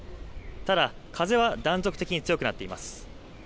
ただ風は断続的に強くなっています。